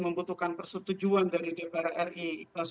membutuhkan persetujuan dari dpr ri dua puluh satu